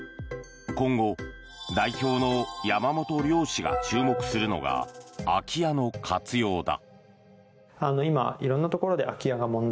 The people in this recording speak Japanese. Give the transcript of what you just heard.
今後、代表の山本遼氏が注目するのが空き家の活用だ。